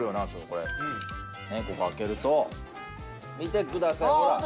これここ開けると見てくださいほら。